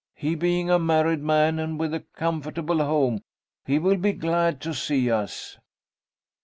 He being a married man, and with a comfortable home, he will be glad to see us.'